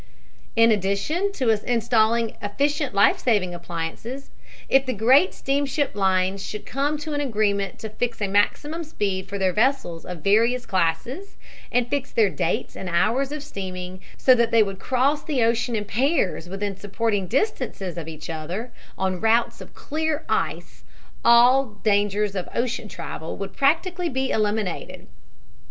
"In addition to installing efficient life saving appliances, if the great steamship lines should come to an agreement to fix a maximum speed for their vessels of various classes and fix their dates and hours of steaming so that they would cross the ocean in pairs within supporting distances of each other, on routes clear of ice, all danger of ocean travel would practically be eliminated.